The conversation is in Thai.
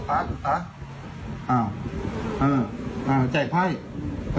อ้าว